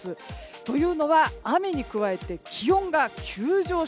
というのは、雨に加えて気温が急上昇。